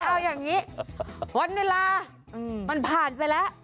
เอาอย่างนี้วันเวลามันผ่านไปแล้ว